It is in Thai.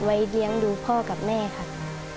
ไว้เลี้ยงดูพ่อกับแม่ครับ